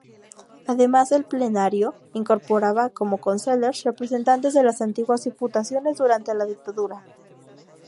Además el "Plenario" incorporaba, como consellers, representantes de las antiguas diputaciones durante la dictadura.